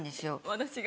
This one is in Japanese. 私が。